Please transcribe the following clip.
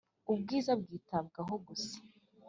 ubwiza bwitabwaho gusa,